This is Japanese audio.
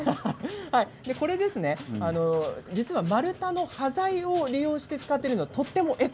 実は丸太の端材を利用して作られているのでとてもエコ。